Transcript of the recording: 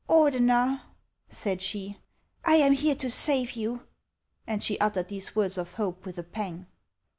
" Ordener," said she, " I am here to save you ;" and she uttered these words of hope with a pang.